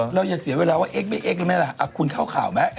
เราอย่าเสียเวลาว่าเอ็กเบอร์อากูลเข้าข่าวมั้ย